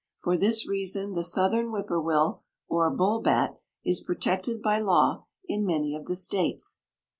For this reason the southern whippoorwill, or bull bat, is protected by law in many of the states.